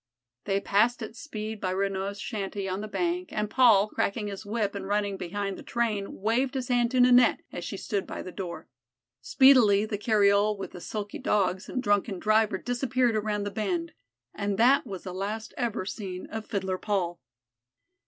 They passed at speed by Renaud's shanty on the bank, and Paul, cracking his whip and running behind the train, waved his hand to Ninette as she stood by the door. Speedily the cariole with the sulky Dogs and drunken driver disappeared around the bend and that was the last ever seen of Fiddler Paul.